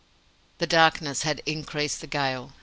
The darkness had increased the gale.